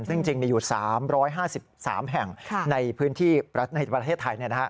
ซึ่งจริงมีอยู่๓๕๓แห่งในพื้นที่ในประเทศไทย